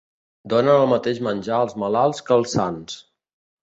Donen el mateix menjar als malalts que als sans